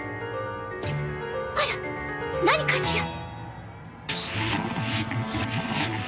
あら何かしら？